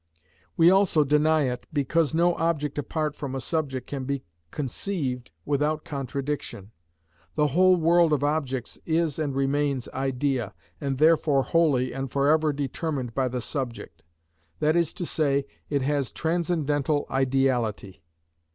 We also deny it, because no object apart from a subject can be conceived without contradiction. The whole world of objects is and remains idea, and therefore wholly and for ever determined by the subject; that is to say, it has transcendental ideality.